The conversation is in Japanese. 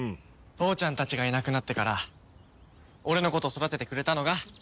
父ちゃんたちがいなくなってから俺のこと育ててくれたのがヤッちゃんだからね。